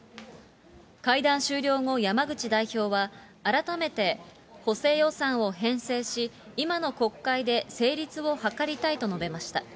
会談終了後、山口代表は、改めて補正予算を編成し、今の国会で成立を図りたいと述べました。